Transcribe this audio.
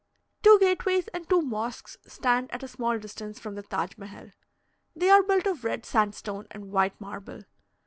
Two gateways and two mosques stand at a small distance from the Taj Mehal. They are built of red sandstone and white marble.